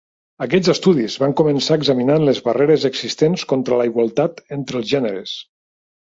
Aquests estudis van començar examinant les barreres existents contra la igualtat entre els gèneres.